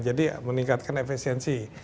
jadi meningkatkan efisiensi